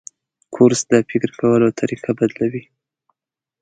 کورس د فکر کولو طریقه بدلوي.